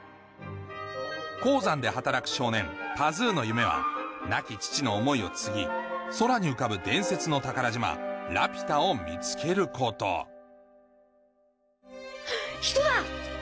鉱山で働く少年・パズーの夢は亡き父の思いを継ぎ空に浮かぶ伝説の宝島・ラピュタを見つけること人だ！